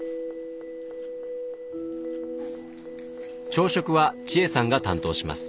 朝食は千恵さんが担当します。